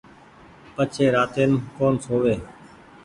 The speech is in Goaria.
پڇي راتين ڪون سووي